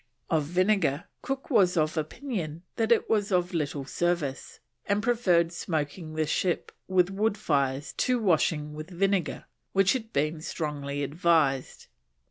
Of vinegar, Cook was of opinion that it was of little service, and preferred smoking the ship with wood fires to washing with vinegar, which had been strongly advised.